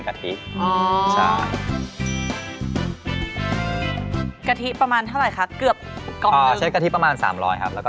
ไข่นี่ต้องเป็นไข่ไก่หรือไข่เป็ด